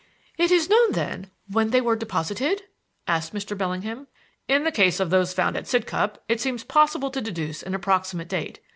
"Is it known, then, when they were deposited?" asked Mr. Bellingham. "In the case of those found at Sidcup it seems possible to deduce an approximate date.